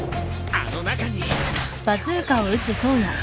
あの中に。